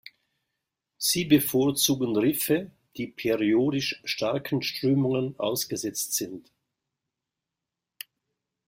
Sie bevorzugen Riffe, die periodisch starken Strömungen ausgesetzt sind.